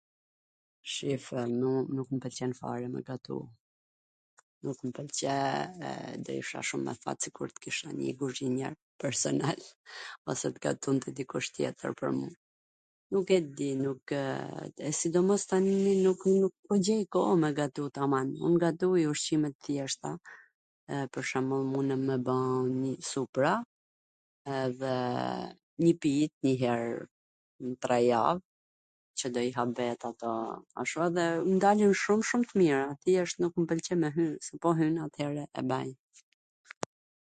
Shifw, nuk mw pwlqen fare me gatu... nuk mw pwlqe e do isha shum me fat sikur t kisha njw guzhinjer pwrsonal, ose t gatunte dikush tjetwr pwr mu... nuk e di... nukw... e sidomos tani... nukw... nuk po gjej koh me gatu taman ... un gatuj ushqime t thjeshta ... pwr shwmbull mundem me ba supra edhe ... njw pit njw her n tre jav, qw do i hap vet ato... ashu edhe dalin shum shum t mira, thjesht nuk mw pwlqen me hy... se po hyna... atere e banj...